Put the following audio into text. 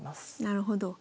なるほど。